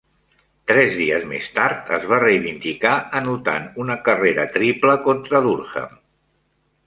Tres dies més tard, es va reivindicar anotant una carrera triple contra Durham.